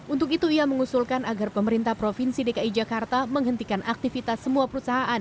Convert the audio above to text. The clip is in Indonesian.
untuk itu ia mengusulkan agar pemerintah provinsi dki jakarta menghentikan aktivitas semua perusahaan